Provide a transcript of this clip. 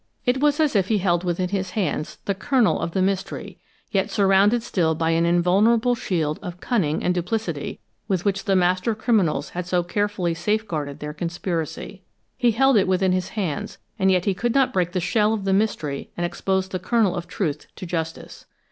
It was as if he held within his hands the kernel of the mystery, yet surrounded still by an invulnerable shield of cunning and duplicity with which the master criminals had so carefully safe guarded their conspiracy. He held it within his hands, and yet he could not break the shell of the mystery and expose the kernel of truth to justice.